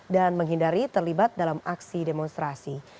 dan menghindari terlibat dalam aksi demonstrasi